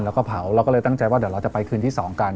แล้วก็เผาเราก็เลยตั้งใจว่าเดี๋ยวเราจะไปคืนที่๒กัน